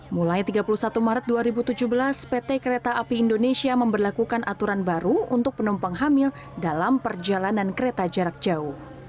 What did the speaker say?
mulai tiga puluh satu maret dua ribu tujuh belas pt kereta api indonesia memperlakukan aturan baru untuk penumpang hamil dalam perjalanan kereta jarak jauh